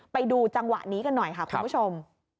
ไปดูจังหวะนี้กันหน่อยค่ะคุณผู้ชม